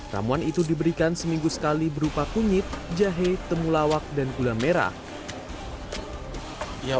ramuan itu diberikan seminggu sekali berupa kunyit jahe temulawak dan gula merah